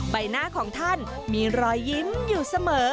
ใบหน้าของท่านมีรอยยิ้มอยู่เสมอ